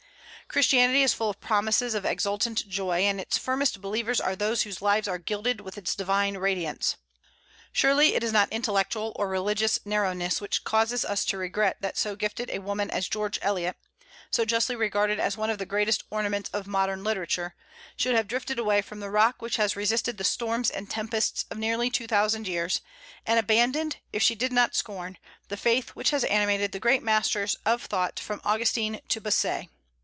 Christianity is full of promises of exultant joy, and its firmest believers are those whose lives are gilded with its divine radiance. Surely, it is not intellectual or religious narrowness which causes us to regret that so gifted a woman as George Eliot so justly regarded as one of the greatest ornaments of modern literature should have drifted away from the Rock which has resisted the storms and tempests of nearly two thousand years, and abandoned, if she did not scorn, the faith which has animated the great masters of thought from Augustine to Bossuet.